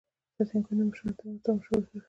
سانتیاګو د مشرانو ترمنځ مشهور کیږي.